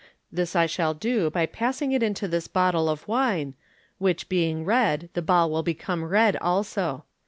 This I shall do by passing it into this bottle of wine, which being red, the ball will become red also.